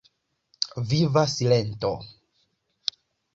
Viva silento.